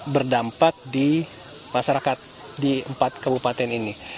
berdampak di masyarakat di empat kebupaten